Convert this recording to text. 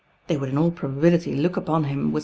would in all probabihty look upon him with